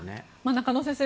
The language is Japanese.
中野先生